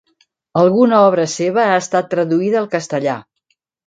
Alguna obra seva ha estat traduïda al castellà.